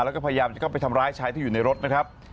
แล้วก็พยายามจะเข้าไปทำร้ายชายที่อยู่ในรถนะครับ